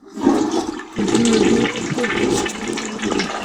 Sir, একটা backup zip পাঠাতে পারবেন?